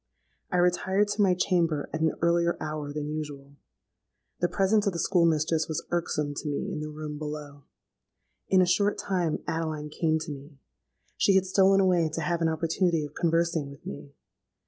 I retired to my chamber at an earlier hour than usual: the presence of the school mistress was irksome to me in the room below. In a short time Adeline came to me. She had stolen away to have an opportunity of conversing with me.